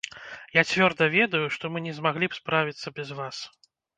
Я цвёрда ведаю, што мы не змаглі б справіцца без вас.